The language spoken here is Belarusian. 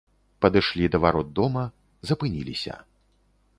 Падышлі да варот дома, запыніліся.